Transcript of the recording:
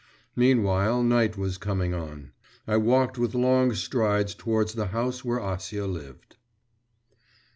… Meanwhile night was coming on. I walked with long strides towards the house where Acia lived.